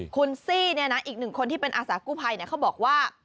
คุณซี่เนี่ยนะอีกหนึ่งคนที่เป็นอาสากู้ภัยเขาบอกว่า